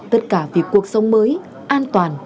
tất cả vì cuộc sống mới an toàn